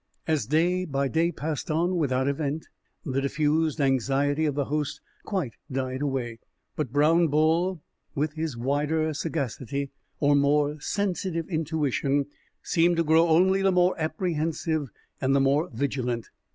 As day by day passed on without event, the diffused anxiety of the host quite died away. But Brown Bull, with his wider sagacity or more sensitive intuition, seemed to grow only the more apprehensive and the more vigilant.